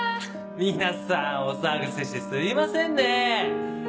皆さんお騒がせしてすいませんね！